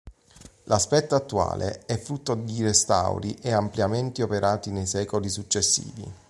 L'aspetto attuale è frutto di restauri e ampliamenti operati nei secoli successivi.